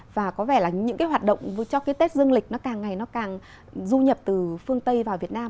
và có vẻ là những cái hoạt động cho cái tết dương lịch nó càng ngày nó càng du nhập từ phương tây vào việt nam